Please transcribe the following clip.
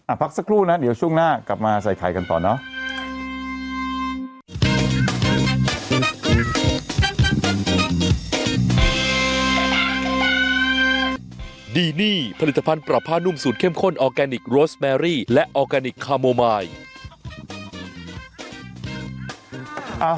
พักสักครู่นะเดี๋ยวช่วงหน้ากลับมาใส่ไข่กันต่อเนอะ